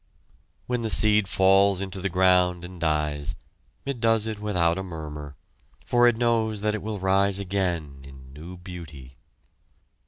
When the seed falls into the ground and dies, it does it without a murmur, for it knows that it will rise again in new beauty.